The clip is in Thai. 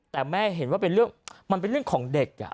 แต่แม่เห็นว่าเป็นเรื่องมันเป็นเรื่องของเด็ก